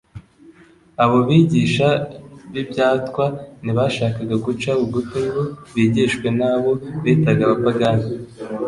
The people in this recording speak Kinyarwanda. Abo bigisha b’ibyatwa ntibashakaga guca bugufi ngo bigishwe n'abo bitaga abapagani.